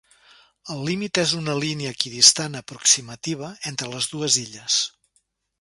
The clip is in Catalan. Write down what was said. El límit és una línia equidistant aproximativa entre les dues illes.